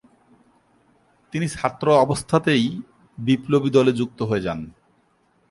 তিনি ছাত্রাবস্থাতেই বিপ্লবী দলে যুক্ত হয়ে যান।